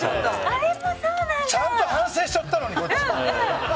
ちゃんと反省しちゃったのにこっちは。